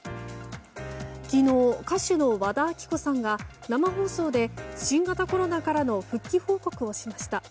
昨日、歌手の和田アキ子さんが生放送で新型コロナからの復帰報告をしました。